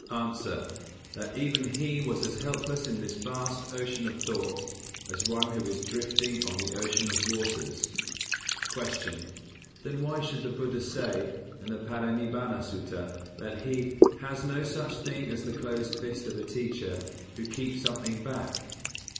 _ A. That even he was as helpless in this vast ocean of thought as one who is drifting on the ocean of waters. 254. Q. _Then why should the Buddha say, in the Parinibbāna Sutta, that he "has no such thing as the closed fist of a teacher, who keeps something back"?